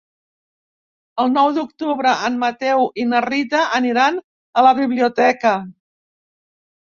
El nou d'octubre en Mateu i na Rita aniran a la biblioteca.